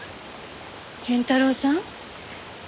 謙太郎さん？